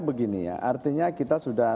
begini ya artinya kita sudah